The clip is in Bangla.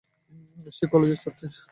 সে কলেজের ছাত্রী।